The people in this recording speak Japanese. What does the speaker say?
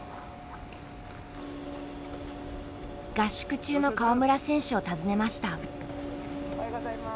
合宿中の川村選手を訪ねました。